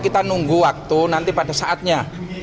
kita nunggu waktu nanti pada saatnya